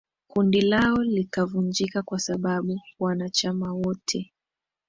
Kundi lao likavunjika kwa sababu wanachama wote